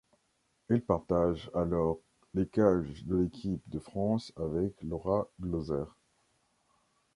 Elle partage alors les cages de l'équipe de France avec Laura Glauser.